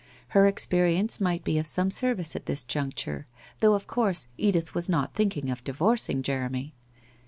Her experience might be of some service at this juncture, though of course, Edith was not thinking of divorcing Jeremy.